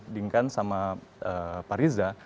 diperbaiki oleh pak riza